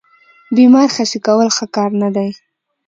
بیمار خسي کول ښه کار نه دی.